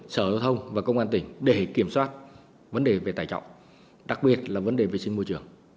sở hữu thông và công an tỉnh để kiểm soát vấn đề về tài trọng đặc biệt là vấn đề vệ sinh môi trường